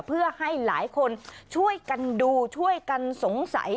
เพื่อให้หลายคนช่วยกันดูช่วยกันสงสัย